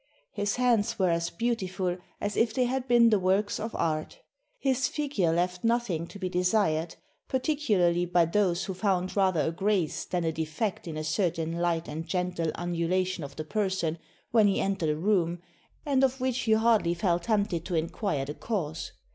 His hands were as beautiful as if they had been the works of art. His figure left nothing to be desired, particularly by those who found rather a grace than a defect in a certain light and gentle undulation of the person when he entered a room, and of which you hardly felt tempted to inquire the cause.